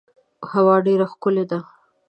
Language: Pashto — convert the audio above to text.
هوا ډیره ښکلې ده .